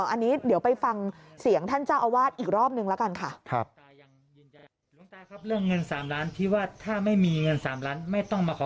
อันนี้เดี๋ยวไปฟังเสียงท่านเจ้าอาวาสอีกรอบนึงละกันค่ะ